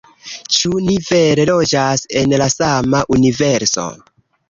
Ĉu ni vere loĝas en la sama universo?